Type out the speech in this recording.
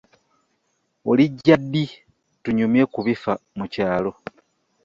Olijja ddi tunyumye ku bifa mu kyaalo?